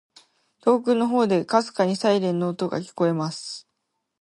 •遠くの方で、微かにサイレンの音が聞こえます。